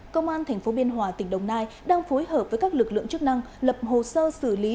công an tp biên hòa tỉnh đồng nai đang phối hợp với các lực lượng chức năng lập hồ sơ xử lý